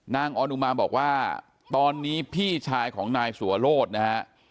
ออนอุมาบอกว่าตอนนี้พี่ชายของนายสัวโรธนะฮะ